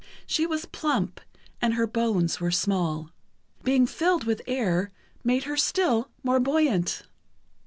She was plump, and her bones were small. Being filled with air made her still more buoyant.